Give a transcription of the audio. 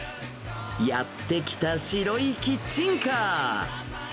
やって来た白いキッチンカー。